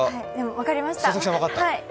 分かりました。